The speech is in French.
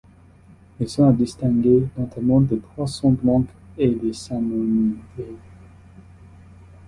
Ils sont à distinguer notamment des poissons blancs et des salmonidés.